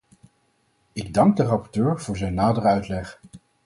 Ik dank de rapporteur voor zijn nadere uitleg.